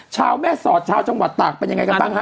ชาวแม่สอดชาวจังหวัดตากเป็นยังไงกันบ้างฮะ